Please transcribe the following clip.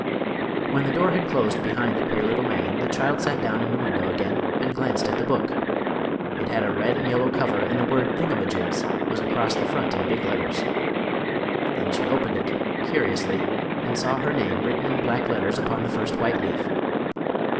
When the door had closed behind the queer little man the child sat down in the window again and glanced at the book. It had a red and yellow cover and the word "Thingamajigs" was across the front in big letters. Then she opened it, curiously, and saw her name written in black letters upon the first white leaf.